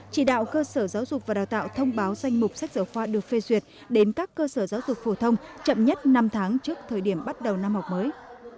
chỉ đạo cơ sở giáo dục và đào tạo thông báo danh mục sách giáo khoa được phê duyệt đến các cơ sở giáo dục phổ thông chậm nhất năm tháng trước thời điểm bắt đầu năm học mới